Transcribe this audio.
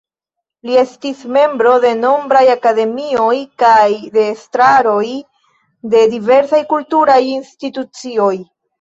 Li estis membro de nombraj akademioj kaj de estraroj de diversaj kulturaj institucioj.